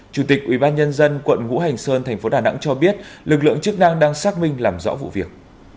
chủ tịch ubnd quận ngũ hành sơn thành phố đà nẵng cho biết lực lượng chức năng đang xác minh làm rõ vụ việc